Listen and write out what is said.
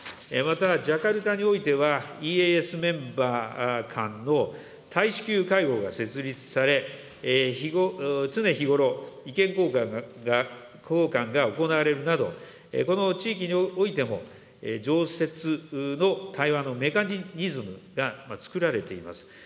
またジャカルタにおいては、ＥＡＳメンバー間の、大使級会合が設立され、常日頃、意見交換が行われるなど、この地域においても、常設の会話のメカニズムがつくられています。